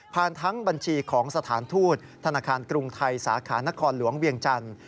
ทั้งบัญชีของสถานทูตธนาคารกรุงไทยสาขานครหลวงเวียงจันทร์